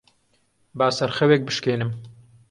با سەرخەوێک بشکێنم.